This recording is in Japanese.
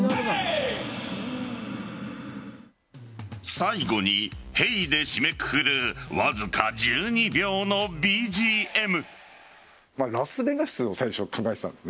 最後にヘイ！で締めくくるわずか１２秒のＢＧＭ。